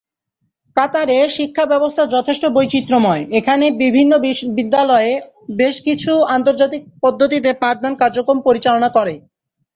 কাতারে শিক্ষা ব্যবস্থা যথেষ্ট বৈচিত্র্যময়, এখানে বিভিন্ন বিদ্যালয়ে বেশ কিছু আন্তর্জাতিক পদ্ধতিতে পাঠদান কার্যক্রম পরিচালনা করে।